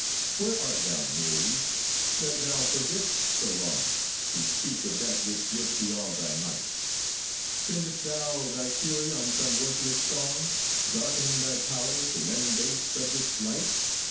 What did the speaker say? Where art thou, Muse, that thou forget'st so long To speak of that which gives thee all thy might? Spend'st thou thy fury on some worthless song, Darkening thy power to lend base subjects light?